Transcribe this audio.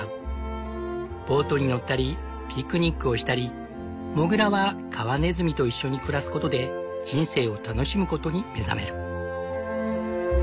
ボートに乗ったりピクニックをしたりモグラはカワネズミと一緒に暮らすことで人生を楽しむことに目覚める。